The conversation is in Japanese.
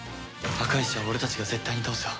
赤石は俺たちが絶対に倒すよ。